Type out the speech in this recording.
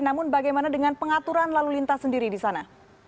namun bagaimana dengan pengaturan lalu lintas sendiri di sana